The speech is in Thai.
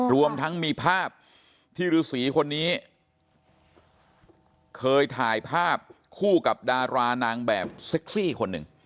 รวมทั้งมีภาพที่ฤษีคนนี้เคยถ่ายภาพคู่กับดารานางแบบเซ็กซี่คนหนึ่ง